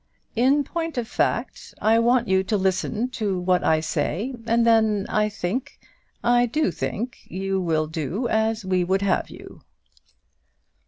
"In point of fact, I want you to listen to what I say, and then, I think I do think you will do as we would have you."